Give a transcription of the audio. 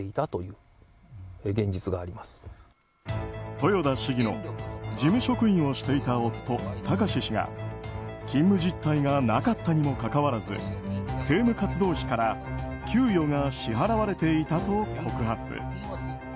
豊田市議の事務職員をしていた夫・貴志氏が勤務実態がなかったにもかかわらず政務活動費から給与が支払われていたと告発。